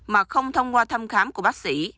mà không thông qua thăm khám của bác sĩ